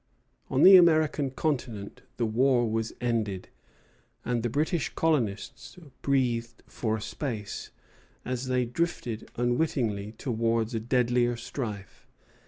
On the American continent the war was ended, and the British colonists breathed for a space, as they drifted unwittingly towards a deadlier strife.